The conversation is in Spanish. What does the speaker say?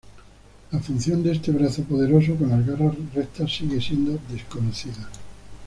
La función de este brazo poderoso, con las garras rectas sigue siendo desconocida.